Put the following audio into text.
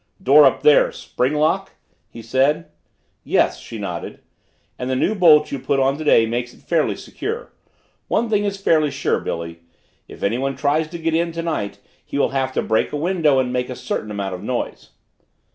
"Door up there spring lock," he said. "Yes." She nodded. "And the new bolt you put on today makes it fairly secure. One thing is fairly sure, Billy. If anyone tries to get in tonight, he will have to break a window and make a certain amount of noise."